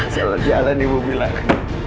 salah jalan ibu bilang